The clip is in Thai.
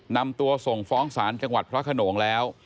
นำตัวส่งฟ้องศาลจังหวัดพระขนงแล้ว